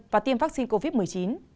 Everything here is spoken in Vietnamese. và tiêm vaccine covid một mươi chín